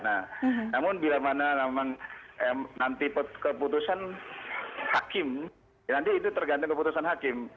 nah namun bila mana memang nanti keputusan hakim ya nanti itu tergantung keputusan hakim